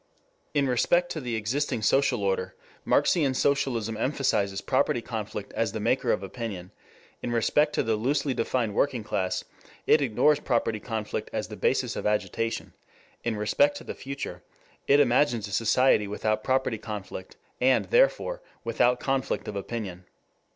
In respect to the existing social order Marxian socialism emphasizes property conflict as the maker of opinion, in respect to the loosely defined working class it ignores property conflict as the basis of agitation, in respect to the future it imagines a society without property conflict, and, therefore, without conflict of opinion.